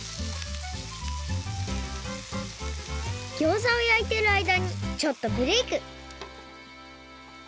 ギョーザをやいてるあいだにちょっとブレイク！